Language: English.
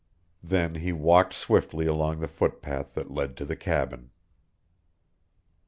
Then he walked swiftly along the footpath that led to the cabin.